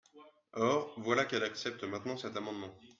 Or, voilà qu’elle accepte maintenant cet amendement.